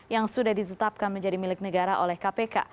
yang sudah ditetapkan menjadi milik negara oleh kpk